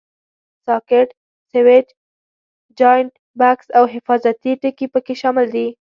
ساکټ، سویچ، جاینټ بکس او حفاظتي ټکي پکې شامل دي.